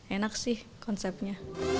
enak sih konsepnya